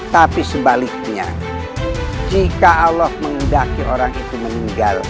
tapi sebaliknya jika allah menghindaki orang